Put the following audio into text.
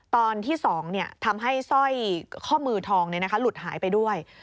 ตอนที่๒ทำให้สร้อยข้อมือทองหลุดหายไปด้วย